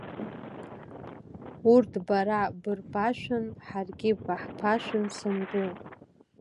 Урҭ бара бырԥашәын, ҳаргьы баҳԥашәын, санду!